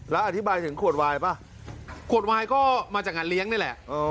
แล้วอธิบายถึงขวดวายป่ะขวดวายก็มาจากงานเลี้ยงนี่แหละ